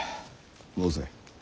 申せ。